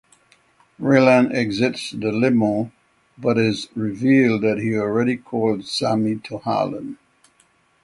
Raylan exits the limo but is revealed that he already called Sammy to Harlan.